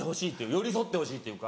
寄り添ってほしいっていうか。